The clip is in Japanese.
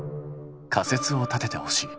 仮説を立ててほしい。